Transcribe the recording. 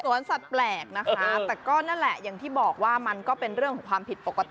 สวนสัตว์แปลกนะคะแต่ก็นั่นแหละอย่างที่บอกว่ามันก็เป็นเรื่องของความผิดปกติ